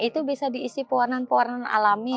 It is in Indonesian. itu bisa diisi pewarnaan pewarnaan alami